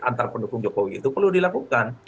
antar pendukung jokowi itu perlu dilakukan